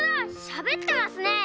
しゃべってますねえ。